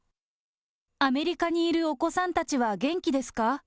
アメリカにいるお子さんたちは元気ですか？